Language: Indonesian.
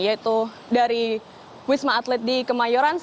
yaitu dari wisma atlet di kemayoran